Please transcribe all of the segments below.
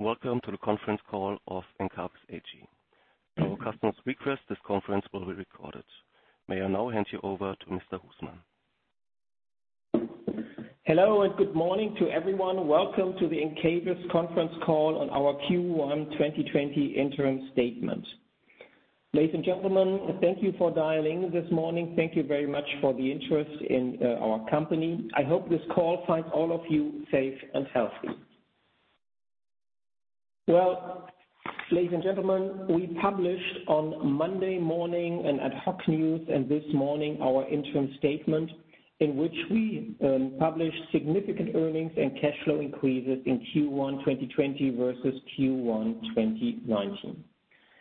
Welcome to the conference call of Encavis AG. At our customer's request, this conference will be recorded. May I now hand you over to Mr. Husmann. Hello, good morning to everyone. Welcome to the Encavis conference call on our Q1 2020 interim statement. Ladies and gentlemen, thank you for dialing in this morning. Thank you very much for the interest in our company. I hope this call finds all of you safe and healthy. Well, ladies and gentlemen, we published on Monday morning an ad hoc news and this morning our interim statement, in which we published significant earnings and cash flow increases in Q1 2020 versus Q1 2019.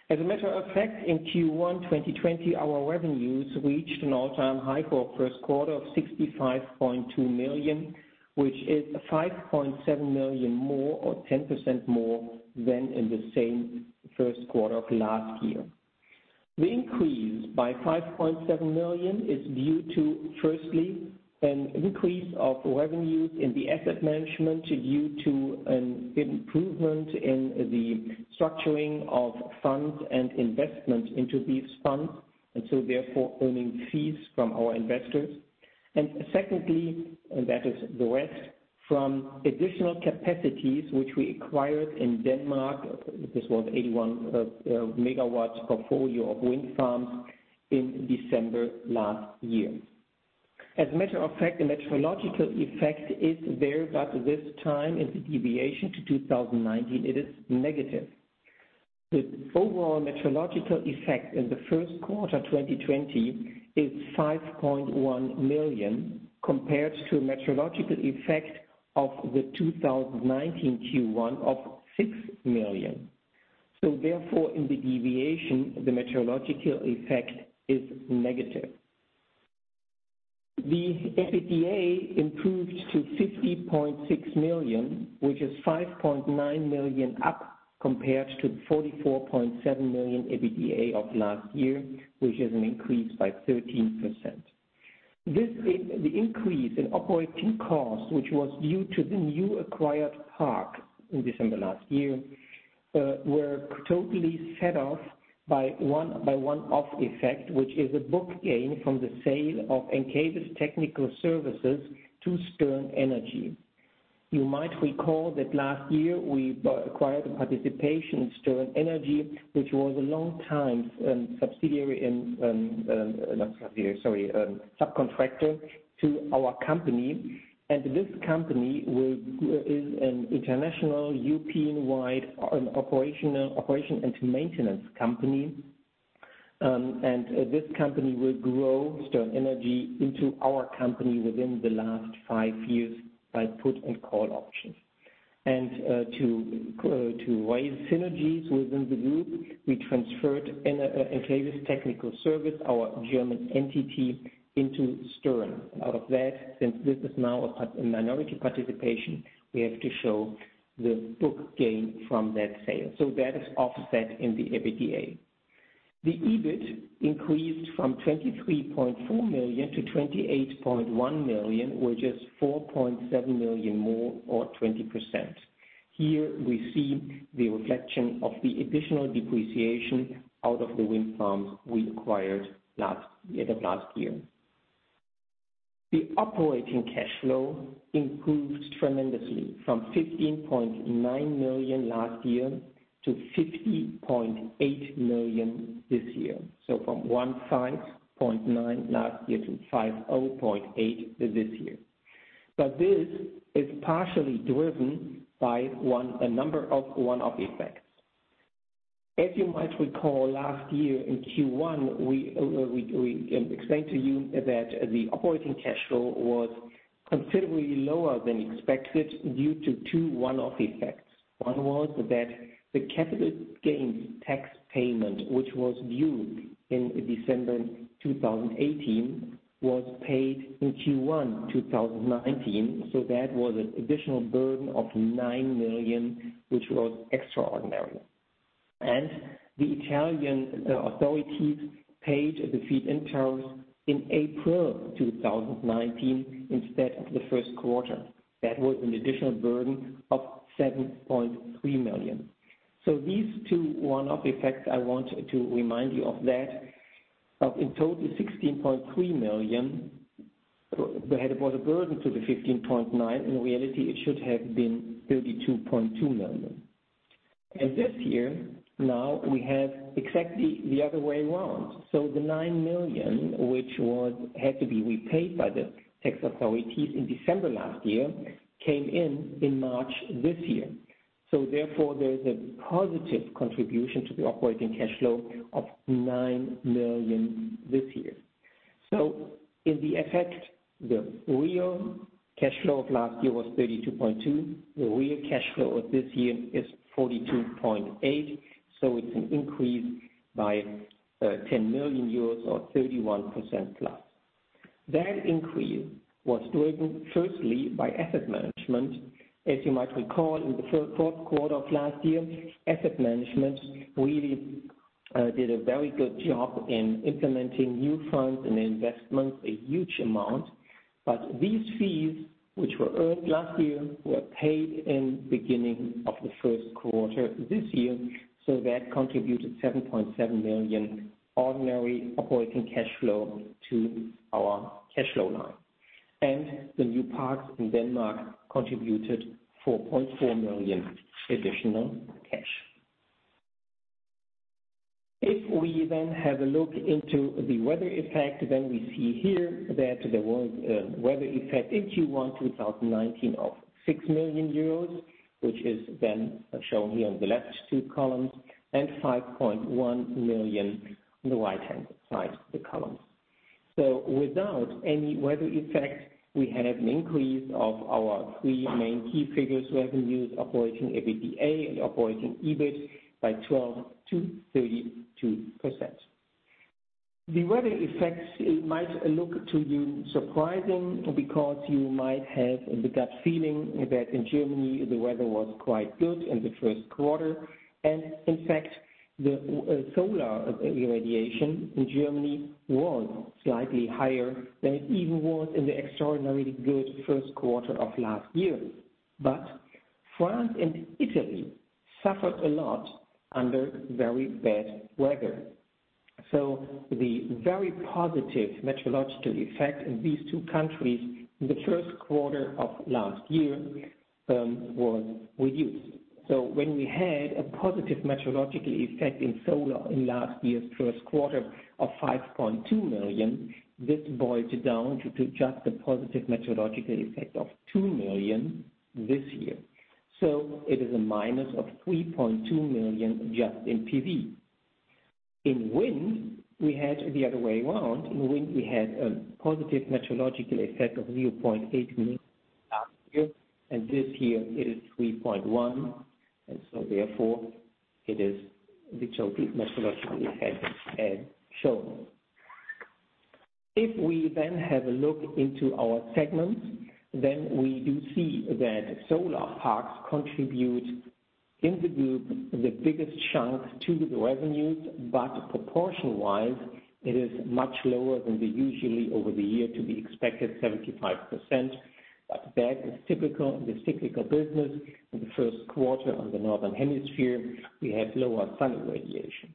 As a matter of fact, in Q1 2020, our revenues reached an all-time high for our first quarter of 65.2 million, which is 5.7 million more or 10% more than in the same first quarter of last year. The increase by 5.7 million is due to, firstly, an increase of revenues in the Asset Management due to an improvement in the structuring of funds and investments into these funds, therefore earning fees from our investors. Secondly, and that is the rest, from additional capacities which we acquired in Denmark. This was 81 MW portfolio of wind farms in December last year. As a matter of fact, the meteorological effect is there, this time it's a deviation to 2019. It is negative. The overall meteorological effect in the first quarter 2020 is 5.1 million, compared to a meteorological effect of the 2019 Q1 of 6 million. Therefore, in the deviation, the meteorological effect is negative. The EBITDA improved to 50.6 million, which is 5.9 million up compared to 44.7 million EBITDA of last year, which is an increase by 13%. The increase in operating costs, which was due to the new acquired park in December last year, were totally set off by one-off effect, which is a book gain from the sale of Encavis Technical Services to Stern Energy. You might recall that last year we acquired a participation in Stern Energy, which was a long-time subcontractor to our company. This company is an international European-wide operation and maintenance company. This company will grow Stern Energy into our company within the last five years by put and call options. To raise synergies within the group, we transferred Encavis Technical Services, our German entity, into Stern. Out of that, since this is now a minority participation, we have to show the book gain from that sale. That is offset in the EBITDA. The EBIT increased from 23.4 million-28.1 million, which is 4.7 million more or 20%. Here we see the reflection of the additional depreciation out of the wind farms we acquired at the end of last year. The operating cash flow improved tremendously from 15.9 million last year to 50.8 million this year. From 15.9 last year to 50.8 this year. This is partially driven by a number of one-off effects. As you might recall, last year in Q1, we explained to you that the operating cash flow was considerably lower than expected due to two one-off effects. One was that the capital gains tax payment, which was due in December 2018, was paid in Q1 2019, that was an additional burden of 9 million, which was extraordinary. The Italian authorities paid the feed-in tariffs in April 2019 instead of the first quarter. That was an additional burden of 7.3 million. These two one-off effects, I want to remind you of that. In total, 16.3 million, that was a burden to the 15.9. In reality, it should have been 32.2 million. This year, now we have exactly the other way around. The 9 million, which had to be repaid by the tax authorities in December last year, came in in March this year. Therefore, there is a positive contribution to the operating cash flow of 9 million this year. In the effect, the real cash flow of last year was 32.2. The real cash flow of this year is 42.8, so it's an increase by 10 million euros or 31%+. That increase was driven firstly by Asset Management. As you might recall, in the fourth quarter of last year, Asset Management really did a very good job in implementing new funds and investments, a huge amount. These fees, which were earned last year, were paid in beginning of the first quarter this year, that contributed 7.7 million ordinary operating cash flow to our cash flow line. The new parks in Denmark contributed 4.4 million additional cash. If we then have a look into the weather effect, then we see here that there was a weather effect in Q1 2019 of 6 million euros, which is then shown here on the left two columns and 5.1 million on the right-hand side of the columns. Without any weather effect, we have an increase of our three main key figures, revenues, operating EBITDA and operating EBIT by 12%-32%. The weather effects might look to you surprising because you might have the gut feeling that in Germany the weather was quite good in the first quarter, and in fact, the solar irradiation in Germany was slightly higher than it even was in the extraordinarily good first quarter of last year. France and Italy suffered a lot under very bad weather. The very positive meteorological effect in these two countries in the first quarter of last year was reduced. When we had a positive meteorological effect in solar in last year's first quarter of 5.2 million, this boils down to just a positive meteorological effect of 2 million this year. It is a -3.2 million just in PV. In wind, we had the other way around. In wind, we had a positive meteorological effect of 0.8 million last year. This year it is 3.1 million. Therefore, it is the meteorological effect as shown. If we then have a look into our segments, then we do see that solar parks contribute in the group the biggest chunk to the revenues, but proportion-wise, it is much lower than the usually over the year to be expected 75%. That is typical in the cyclical business. In the first quarter on the Northern Hemisphere, we have lower sun irradiation.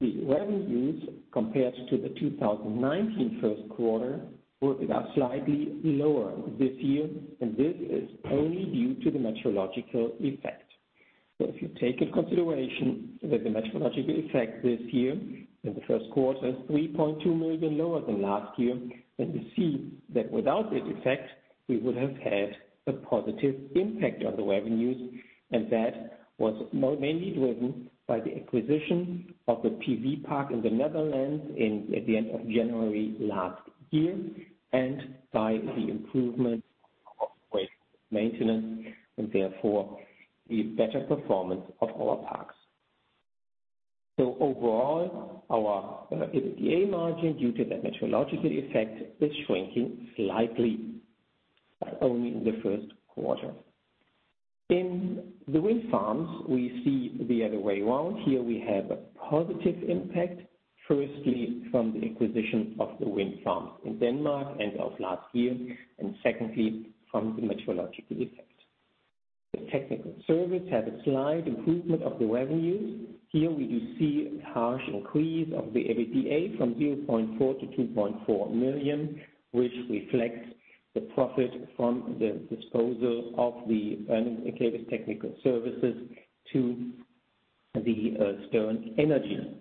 The revenues compared to the 2019 first quarter were slightly lower this year, and this is only due to the meteorological effect. If you take in consideration that the meteorological effect this year in the first quarter is 3.2 million lower than last year, then we see that without this effect, we would have had a positive impact on the revenues, and that was mainly driven by the acquisition of the PV park in the Netherlands at the end of January last year and by the improvement of maintenance, and therefore the better performance of our parks. Overall, our EBITDA margin due to that meteorological effect is shrinking slightly, but only in the first quarter. In the wind farms, we see the other way around. Here we have a positive impact, firstly from the acquisition of the wind farm in Denmark end of last year and secondly from the meteorological effect. The technical service had a slight improvement of the revenues. Here we do see a harsh increase of the EBITDA from 0.4 million-2.4 million, which reflects the profit from the disposal of the Encavis Technical Services to the Stern Energy.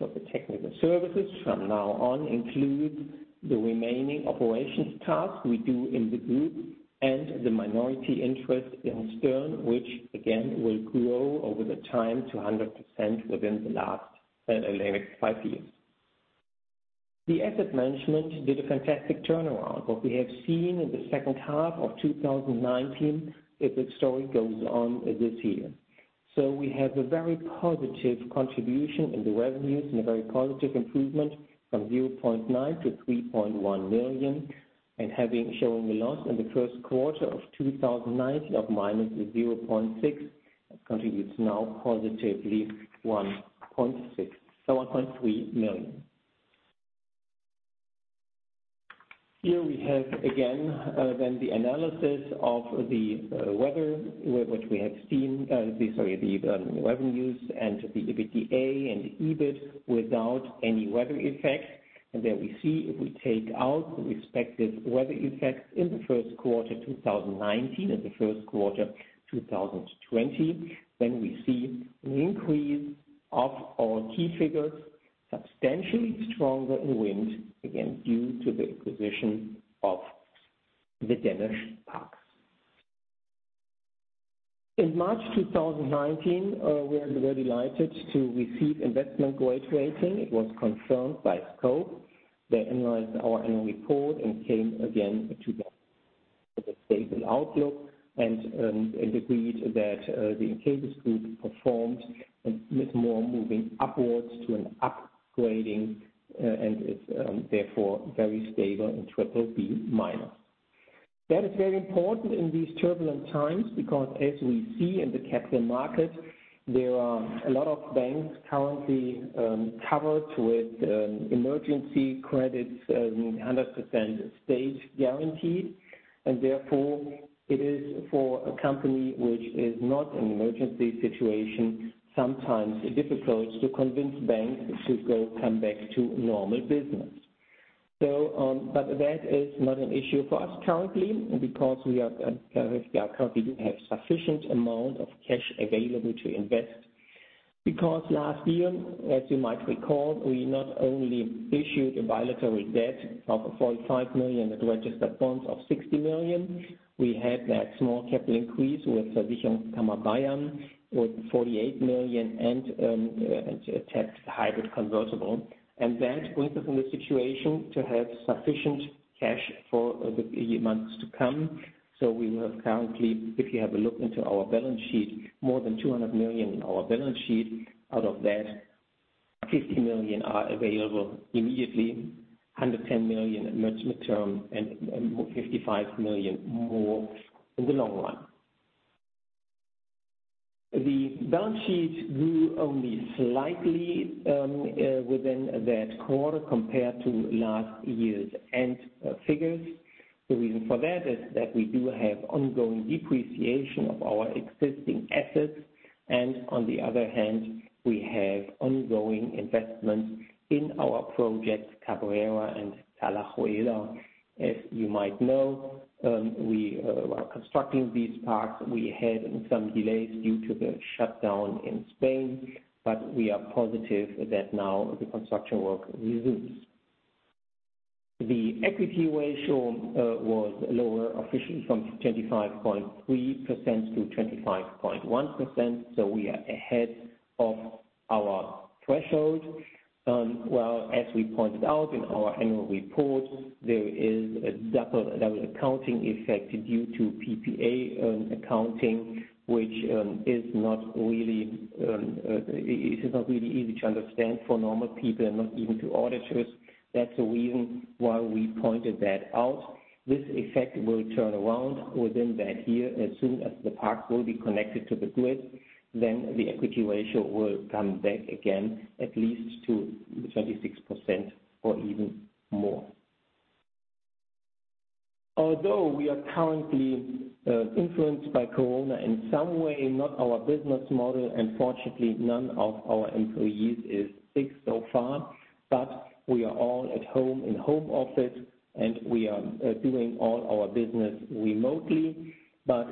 The technical services from now on include the remaining operations tasks we do in the group and the minority interest in Stern, which again, will grow over the time to 100% within the next five years. The Asset Management did a fantastic turnaround. What we have seen in the second half of 2019, is the story goes on this year. We have a very positive contribution in the revenues and a very positive improvement from 0.9 million-3.1 million and having shown a loss in the first quarter of 2019 of -0.6. That contributes now positively 1.3 million. Here we have again, then the analysis of the weather, the revenues and the EBITDA and the EBIT without any weather effects. There we see if we take out the respective weather effects in the first quarter 2019 and the first quarter 2020, then we see an increase of our key figures substantially stronger in wind, again due to the acquisition of the Danish parks. In March 2019, we were delighted to receive investment grade rating. It was confirmed by Scope. They analyzed our annual report and came again to that. With a stable outlook and agreed that the Encavis Group performed and is more moving upwards to an upgrading, and is therefore very stable in BBB-. That is very important in these turbulent times, because as we see in the capital markets, there are a lot of banks currently covered with emergency credits, 100% state guaranteed. Therefore, it is for a company which is not in an emergency situation, sometimes difficult to convince banks to come back to normal business. That is not an issue for us currently, because we currently do have sufficient amount of cash available to invest. Last year, as you might recall, we not only issued a bilateral debt of 45 million, registered bonds of 60 million, we had that small capital increase with 48 million and a tapped hybrid convertible. That puts us in the situation to have sufficient cash for the months to come. We have currently, if you have a look into our balance sheet, more than 200 million in our balance sheet. Out of that, 50 million are available immediately, 110 million mid-term and 55 million more in the long run. The balance sheet grew only slightly within that quarter compared to last year's end figures. The reason for that is that we do have ongoing depreciation of our existing assets. On the other hand, we have ongoing investments in our projects, Cabrera and Talayuela. As you might know, we are constructing these parks. We had some delays due to the shutdown in Spain, but we are positive that now the construction work resumes. The equity ratio was lower officially from 25.3%-25.1%, so we are ahead of our threshold. Well, as we pointed out in our annual report, there is a double accounting effect due to PPA accounting, which is not really easy to understand for normal people and not even to auditors. That's the reason why we pointed that out. This effect will turn around within that year. As soon as the parks will be connected to the grid, the equity ratio will come back again at least to 26% or even more. We are currently influenced by COVID in some way, not our business model, and fortunately, none of our employees is sick so far. We are all at home in home office, and we are doing all our business remotely.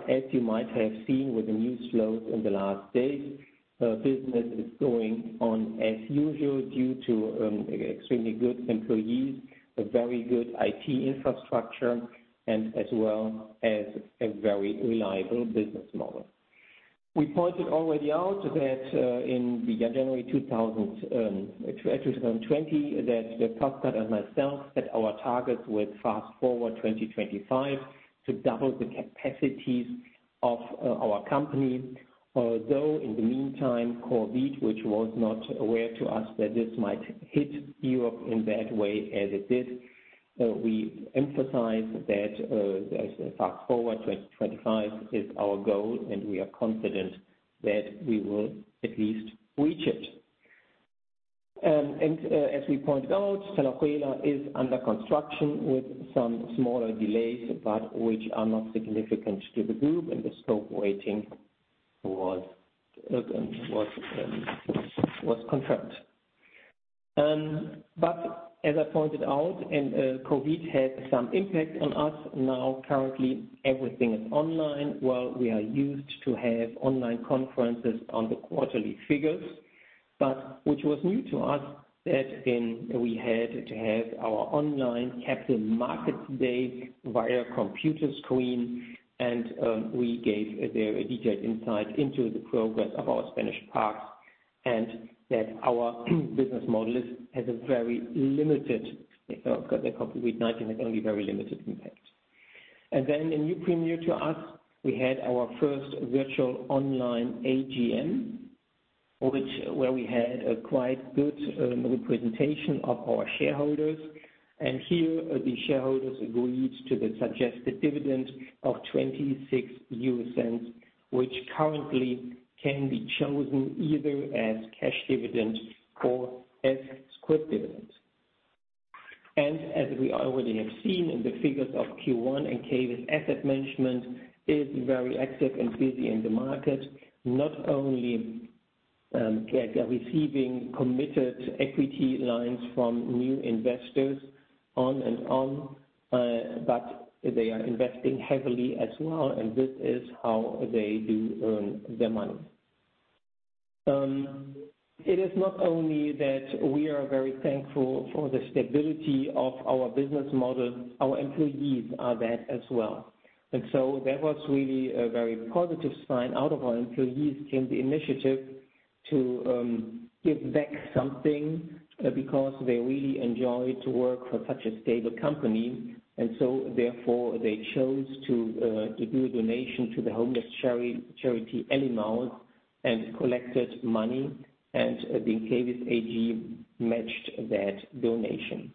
As you might have seen with the news flows in the last days, business is going on as usual due to extremely good employees, a very good IT infrastructure, and as well as a very reliable business model. We pointed already out that in January 2020, the Dierk Paskert and myself set our targets with Fast Forward 2025 to double the capacities of our company. In the meantime, COVID, which was not aware to us that this might hit Europe in that way as it did, we emphasize that Fast Forward 2025 is our goal, and we are confident that we will at least reach it. As we pointed out, Talayuela is under construction with some smaller delays, but which are not significant to the group, and the Scope rating was confirmed. As I pointed out, and COVID had some impact on us. Currently, everything is online. We are used to have online conferences on the quarterly figures. Which was new to us that we had to have our online capital markets day via computer screen. We gave there a detailed insight into the progress of our Spanish parks. Our business model has a very limited, because of COVID-19, it's only very limited impact. A new premiere to us, we had our first virtual online AGM, where we had a quite good representation of our shareholders. Here, the shareholders agreed to the suggested dividend of 0.26, which currently can be chosen either as cash dividend or as scrip dividend. As we already have seen in the figures of Q1, Encavis Asset Management is very active and busy in the market. Not only they are receiving committed equity lines from new investors on and on, but they are investing heavily as well, and this is how they do earn their money. It is not only that we are very thankful for the stability of our business model, our employees are that as well. That was really a very positive sign. Out of our employees came the initiative to give back something because they really enjoy to work for such a stable company. Therefore, they chose to do a donation to the homeless charity Emmaus and collected money, and the Encavis AG matched that donation.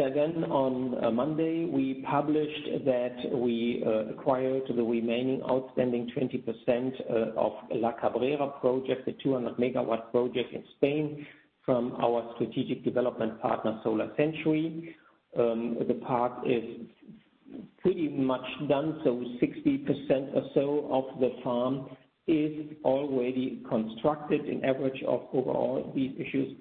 On Monday, we published that we acquired the remaining outstanding 20% of La Cabrera project, the 200 MW project in Spain from our strategic development partner, Solarcentury. The park is pretty much done, 60% or so of the park is already constructed, an average of overall these issues.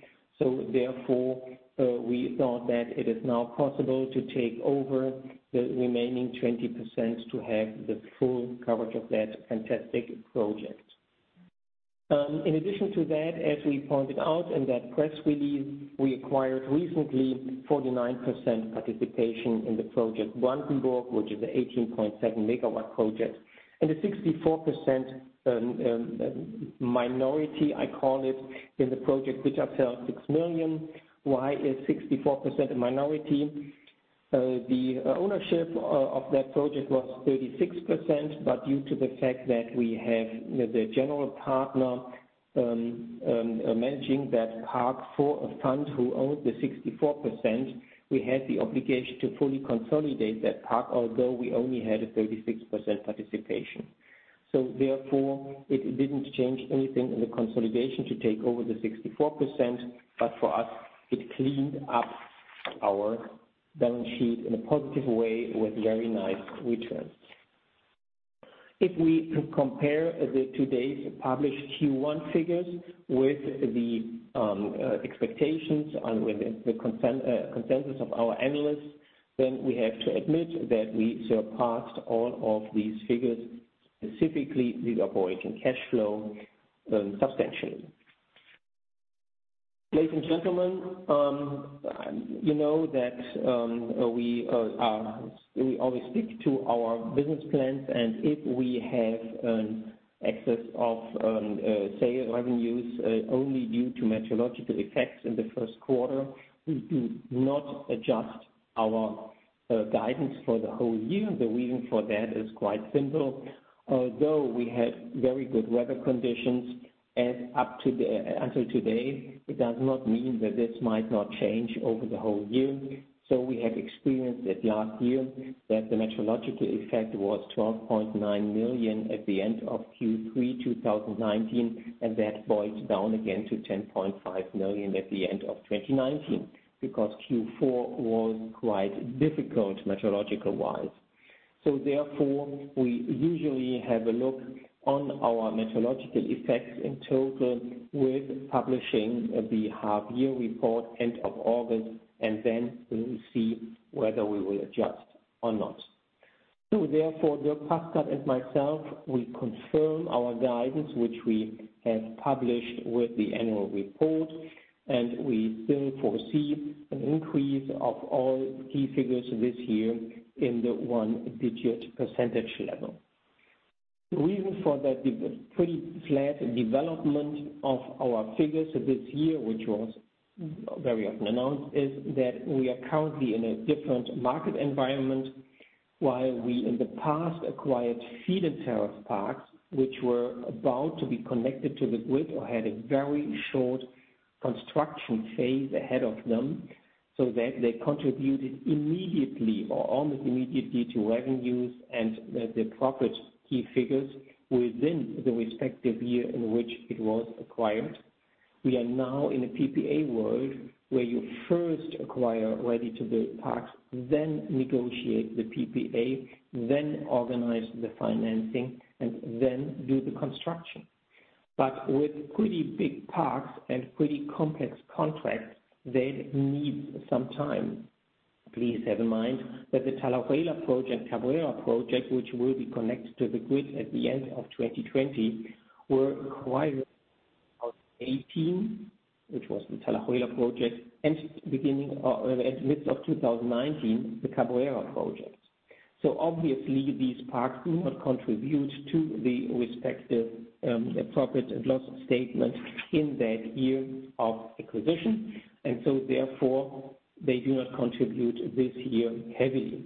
Therefore, we thought that it is now possible to take over the remaining 20% to have the full coverage of that fantastic project. In addition to that, as we pointed out in that press release, we acquired recently 49% participation in the project Brandenburg, which is an 18.7 MW project, and a 64% minority, I call it, in the project which upheld 6 million. Why is 64% a minority? The ownership of that project was 36%, due to the fact that we have the general partner managing that park for a fund who owned the 64%, we had the obligation to fully consolidate that park, although we only had a 36% participation. Therefore, it didn't change anything in the consolidation to take over the 64%, but for us, it cleaned up our balance sheet in a positive way with very nice returns. If we compare today's published Q1 figures with the expectations and with the consensus of our analysts, we have to admit that we surpassed all of these figures, specifically the operating cash flow, substantially. Ladies and gentlemen, you know that we always stick to our business plans, and if we have an excess of sale revenues, only due to meteorological effects in the first quarter, we do not adjust our guidance for the whole year. The reason for that is quite simple. Although we had very good weather conditions as up to today, it does not mean that this might not change over the whole year. We have experienced that last year that the meteorological effect was 12.9 million at the end of Q3 2019, and that boiled down again to 10.5 million at the end of 2019 because Q4 was quite difficult meteorological-wise. Therefore, we usually have a look on our meteorological effects in total with publishing the half year report end of August, and then we will see whether we will adjust or not. Therefore, Dierk Paskert and myself, we confirm our guidance, which we have published with the annual report, and we still foresee an increase of all key figures this year in the one-digit percentage level. The reason for that pretty flat development of our figures this year, which was very often announced, is that we are currently in a different market environment. While we in the past acquired feed-in tariffs parks, which were about to be connected to the grid or had a very short construction phase ahead of them, so that they contributed immediately or almost immediately to revenues and the profit key figures within the respective year in which it was acquired. We are now in a PPA world where you first acquire ready-to-build parks, then negotiate the PPA, then organize the financing, and then do the construction. With pretty big parks and pretty complex contracts, they need some time. Please have in mind that the Talayuela project, La Cabrera project, which will be connected to the grid at the end of 2020, were acquired 2018, which was the Talayuela project, and at mid of 2019, the La Cabrera project. Obviously these parks do not contribute to the respective profit and loss statement in that year of acquisition, therefore, they do not contribute this year heavily.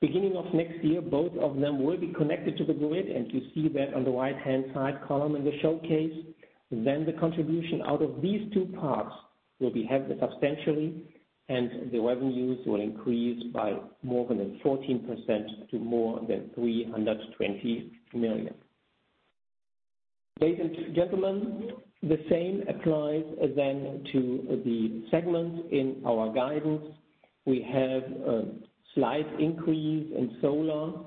Beginning of next year, both of them will be connected to the grid, and you see that on the right-hand side column in the showcase. The contribution out of these two parks will be heavily substantially, and the revenues will increase by more than 14% to more than 320 million. Ladies and gentlemen, the same applies to the segments in our guidance. We have a slight increase in solar.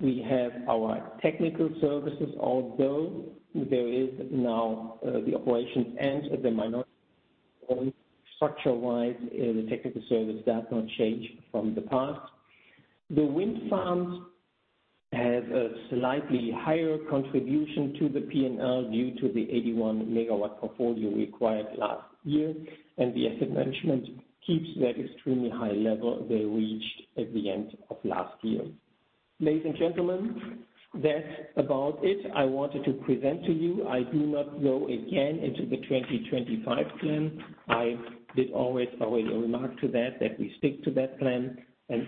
We have our Technical Services, although there is now the operation and the minority owner. Structure-wise, the Technical Service does not change from the past. The wind farms have a slightly higher contribution to the P&L due to the 81 MW portfolio we acquired last year. The Asset Management keeps that extremely high level they reached at the end of last year. Ladies and gentlemen, that's about it. I wanted to present to you. I do not go again into the Fast Forward 2025 plan. I did always already remark to that we stick to that plan.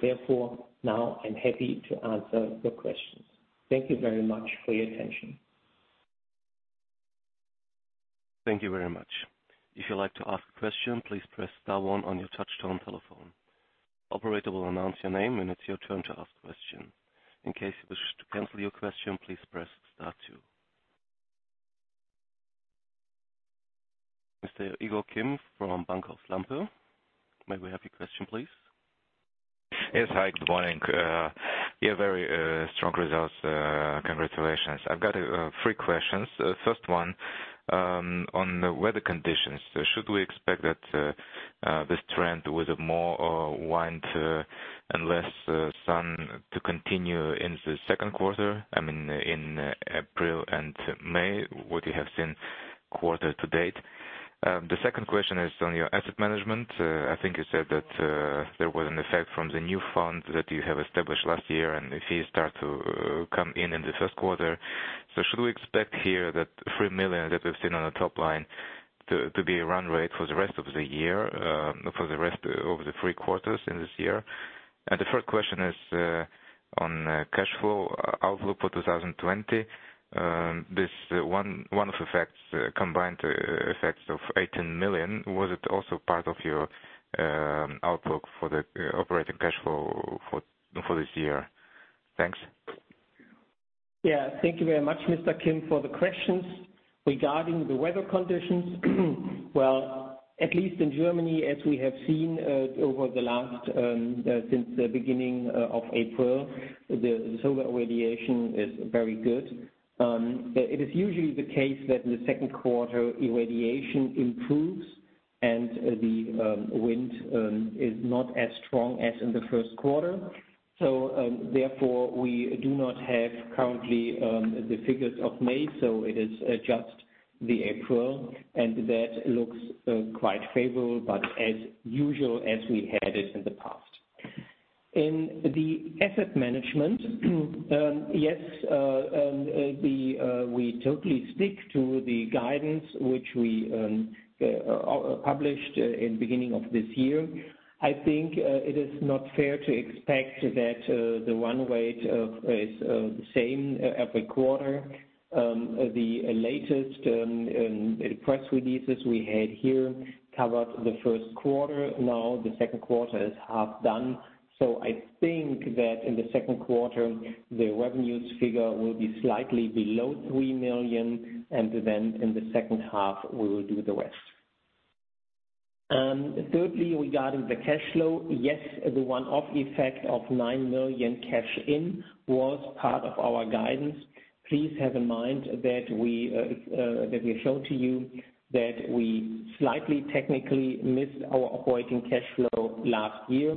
Therefore, now I'm happy to answer the questions. Thank you very much for your attention. Thank you very much. If you'd like to ask a question, please press star one on your touch-tone telephone. Operator will announce your name when it's your turn to ask the question. In case you wish to cancel your question, please press star two. Mr. Igor Kim from Bankhaus Lampe, may we have your question, please? Yes. Hi, good morning. Yeah, very strong results, congratulations. I've got three questions. First one, on the weather conditions. Should we expect that this trend with more wind and less sun to continue into the second quarter, I mean, in April and May, what you have seen quarter to date? The second question is on your Asset Management. I think you said that there was an effect from the new fund that you have established last year, the fees start to come in in the first quarter. Should we expect here that 3 million that we've seen on the top line to be a run rate for the rest of the year, for the rest of the three quarters in this year? The third question is on cash flow outlook for 2020. This one-off effects, combined effects of 18 million, was it also part of your outlook for the operating cash flow for this year? Thanks. Thank you very much, Mr. Kim, for the questions. Regarding the weather conditions, well, at least in Germany, as we have seen over the last, since the beginning of April, the solar irradiation is very good. It is usually the case that in the second quarter, irradiation improves and the wind is not as strong as in the first quarter. Therefore, we do not have currently the figures of May, it is just the April, that looks quite favorable, as usual as we had it in the past. In the Asset Management, yes, we totally stick to the guidance which we published in beginning of this year. I think it is not fair to expect that the run rate is the same every quarter. The latest press releases we had here covered the first quarter. The second quarter is half done. I think that in the second quarter, the revenues figure will be slightly below 3 million, and then in the second half, we will do the rest. Thirdly, regarding the cash flow, yes, the one-off effect of 9 million cash in was part of our guidance. Please have in mind that we have shown to you that we slightly technically missed our operating cash flow last year.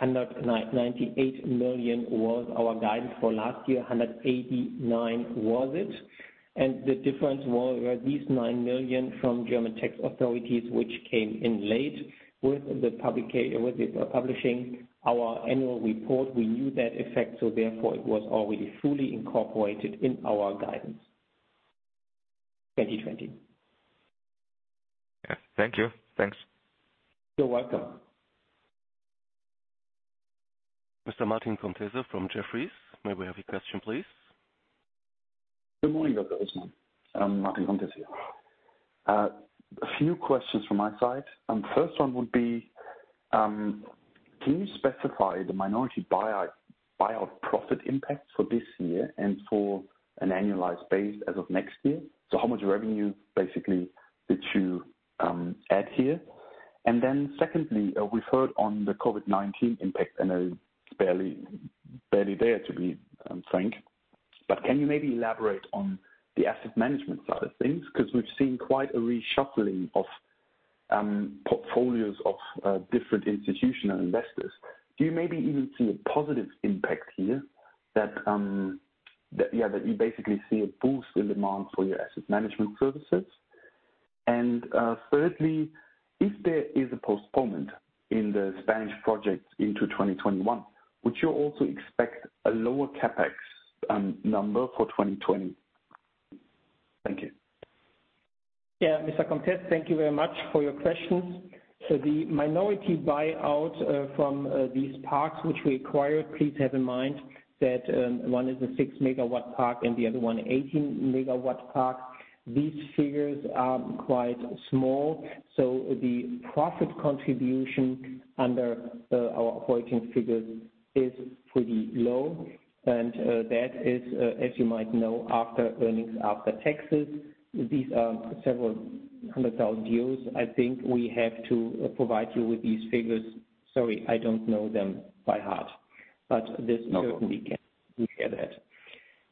198 million was our guidance for last year, 189 million was it. The difference was these 9 million from German tax authorities, which came in late with the publishing our annual report. We knew that effect, therefore it was already fully incorporated in our guidance 2020. Yeah. Thank you. Thanks. You're welcome. Mr. Martin Comtesse from Jefferies, may we have your question, please? Good morning, Dr. Husmann. Martin Comtesse here. A few questions from my side. First one would be, can you specify the minority buyout profit impact for this year and for an annualized base as of next year? How much revenue, basically, did you add here? Secondly, we've heard on the COVID-19 impact, I know it's barely there, to be frank, but can you maybe elaborate on the Asset Management side of things? Because we've seen quite a reshuffling of portfolios of different institutional investors. Do you maybe even see a positive impact here that you basically see a boost in demand for your Asset Management services? Thirdly, if there is a postponement in the Spanish projects into 2021, would you also expect a lower CapEx number for 2020? Thank you. Mr. Comtesse, thank you very much for your questions. The minority buyout from these parks which we acquired, please have in mind that one is a 6 MW park and the other one 18 MW park. These figures are quite small, so the profit contribution under our operating figures is pretty low. That is, as you might know, after earnings, after taxes. These are several hundred thousand EUR. I think we have to provide you with these figures. Sorry, I don't know them by heart, but this certainly, we get that. No problem.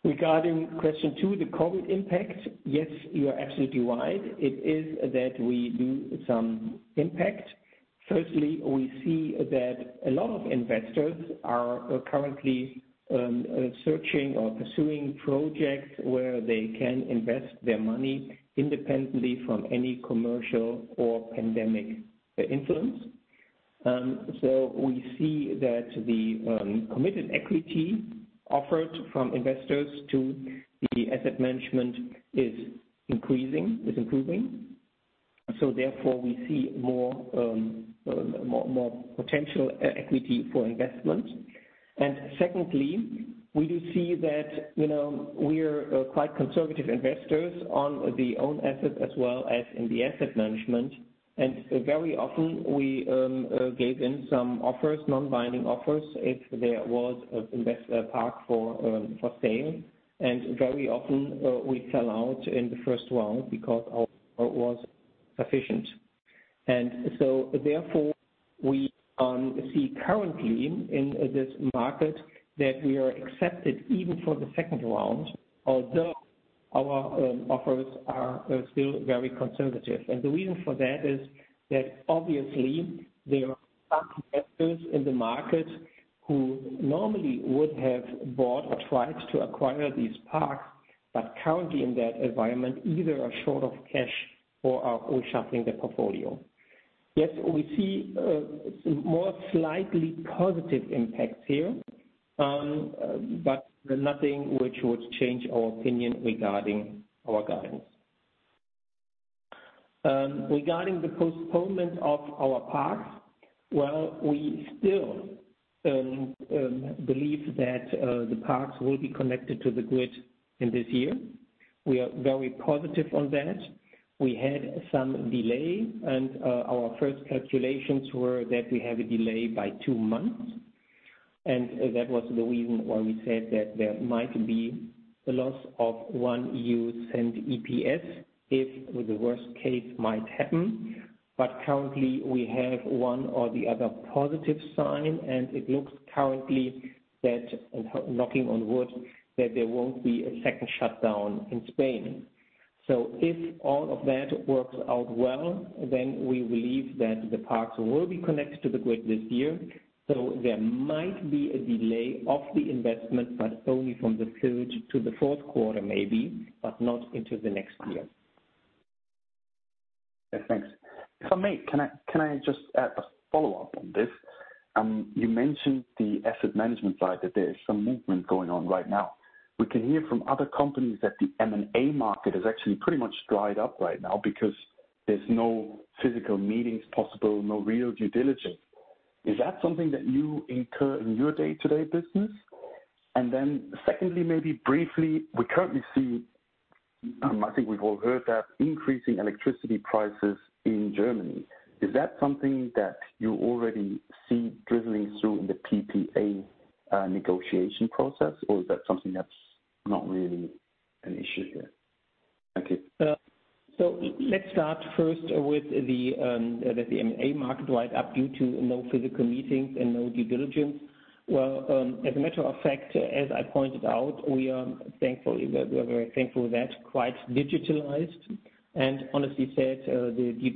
Regarding question two, the COVID impact, yes, you are absolutely right. It is that we do some impact. Firstly, we see that a lot of investors are currently searching or pursuing projects where they can invest their money independently from any commercial or pandemic influence. We see that the committed equity offered from investors to the Asset Management is increasing, is improving. Therefore, we see more potential equity for investment. Secondly, we do see that we're quite conservative investors on the own asset as well as in the Asset Management. Very often we gave in some offers, non-binding offers, if there was a park for sale. Very often we fell out in the first round because our offer was sufficient. Therefore we see currently in this market that we are accepted even for the second round, although our offers are still very conservative. The reason for that is that obviously there are some investors in the market who normally would have bought or tried to acquire these parks, but currently in that environment, either are short of cash or are reshuffling their portfolio. Yes, we see more slightly positive impacts here, but nothing which would change our opinion regarding our guidance. Regarding the postponement of our parks, well, we still believe that the parks will be connected to the grid in this year. We are very positive on that. We had some delay, and our first calculations were that we have a delay by two months, and that was the reason why we said that there might be a loss of 0.01 EPS if the worst case might happen. Currently we have one or the other positive sign, and it looks currently that, knocking on wood, that there won't be a second shutdown in Spain. If all of that works out well, then we believe that the parks will be connected to the grid this year. There might be a delay of the investment, but only from the third to the fourth quarter maybe, but not into the next year. Thanks. If I may, can I just add a follow-up on this? You mentioned the Asset Management side, that there is some movement going on right now. We can hear from other companies that the M&A market has actually pretty much dried up right now because there's no physical meetings possible, no real due diligence. Is that something that you incur in your day-to-day business? Secondly, maybe briefly, we currently see, I think we've all heard that increasing electricity prices in Germany. Is that something that you already see drizzling through in the PPA negotiation process, or is that something that's not really an issue here? Thank you. Let's start first with the M&A market right up due to no physical meetings and no due diligence. As a matter of fact, as I pointed out, we are very thankful that quite digitalized and honestly said, the due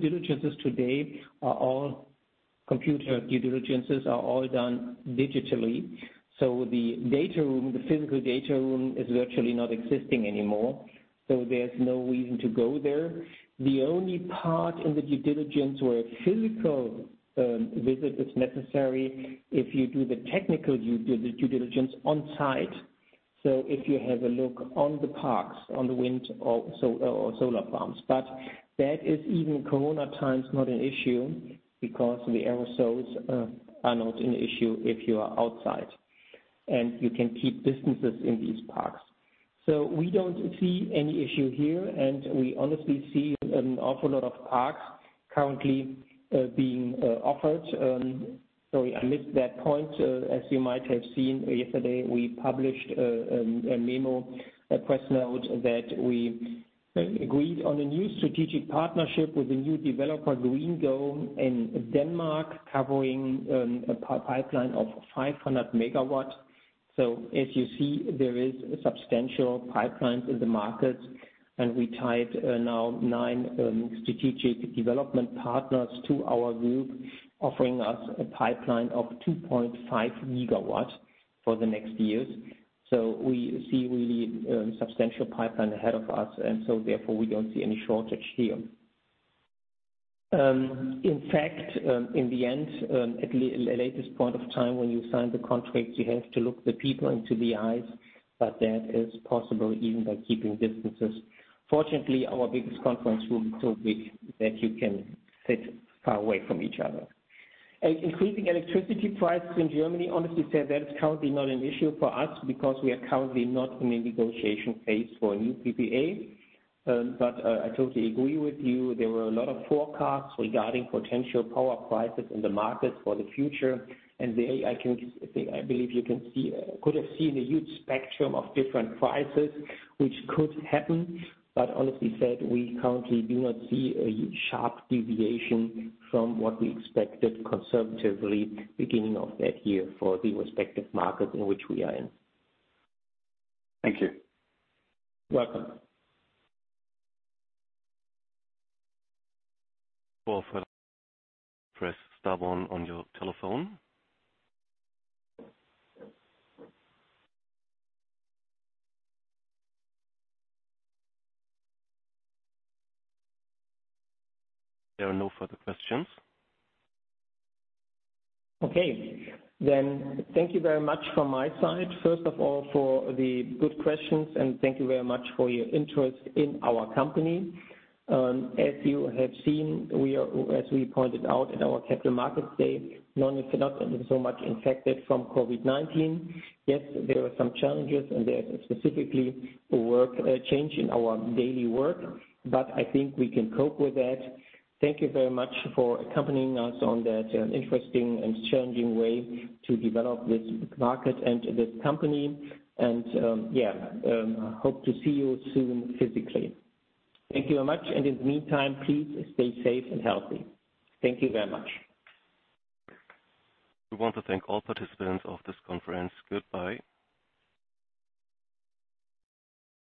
diligences today are all done digitally. The data room, the physical data room is virtually not existing anymore. There's no reason to go there. The only part in the due diligence where a physical visit is necessary, if you do the technical due diligence on-site. If you have a look on the parks, on the wind or solar farms. That is even COVID times not an issue because the aerosols are not an issue if you are outside, and you can keep distances in these parks. We don't see any issue here, and we honestly see an awful lot of parks currently being offered. Sorry, I missed that point. As you might have seen yesterday, we published a memo, a press note that we agreed on a new strategic partnership with a new developer, GreenGo, in Denmark, covering a pipeline of 500 MW. As you see, there is substantial pipelines in the market, and we tied now nine strategic development partners to our group, offering us a pipeline of 2.5 GW for the next years. We see really substantial pipeline ahead of us, and therefore we don't see any shortage here. In fact, in the end, at latest point of time when you sign the contract, you have to look the people into the eyes, but that is possible even by keeping distances. Fortunately, our biggest conference room is so big that you can sit far away from each other. Increasing electricity prices in Germany, honestly said, that is currently not an issue for us because we are currently not in a negotiation phase for a new PPA. I totally agree with you. There were a lot of forecasts regarding potential power prices in the market for the future, and there, I believe you could have seen a huge spectrum of different prices which could happen. Honestly said, we currently do not see a sharp deviation from what we expected conservatively beginning of that year for the respective market in which we are in. Thank you. Welcome. For further press star one on your telephone. There are no further questions. Okay. Thank you very much from my side. First of all, for the good questions, and thank you very much for your interest in our company. As you have seen, as we pointed out in our capital market today, not so much infected from COVID-19. Yes, there are some challenges, and there's specifically a change in our daily work, but I think we can cope with that. Thank you very much for accompanying us on that interesting and challenging way to develop this market and this company, and hope to see you soon physically. Thank you very much, and in the meantime, please stay safe and healthy. Thank you very much. We want to thank all participants of this conference. Goodbye.